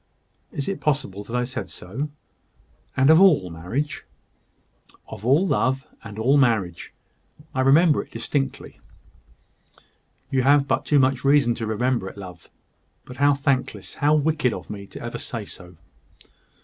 "Is it possible that I said so? and of all marriage?" "Of all love, and all marriage. I remember it distinctly." "You have but too much reason to remember it, love. But how thankless, how wicked of me ever to say so."